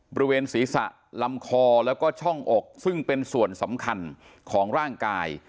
บริเวณศีรษะลำคอแล้วก็ช่องอกซึ่งเป็นส่วนสำคัญของร่างกาย